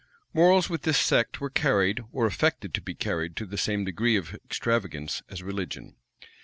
Morals with this sect were carried, or affected to be carried to the same degree of extravagance as religion.